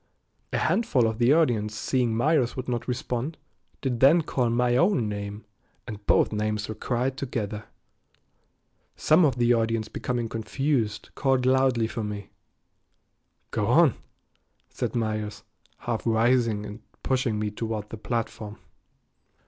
A handful of the audience seeing Myers would not respond, did then call my own name, and both names were cried together. Some of the audience becoming confused called loudly for me. "Go on," said Myers, half rising and pushing me toward the platform.